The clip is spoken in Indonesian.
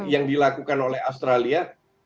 yang dilakukan oleh australia